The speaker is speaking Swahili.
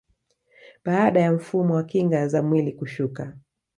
Baada ya mfumo wa kinga za mwili kushuka